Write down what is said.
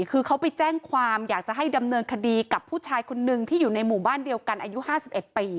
คือเขาไปแจ้งความอยากจะให้ดำเนินคดีกับผู้ชายคนนึงที่อยู่ในหมู่บ้านเดียวกันอายุ๕๑ปี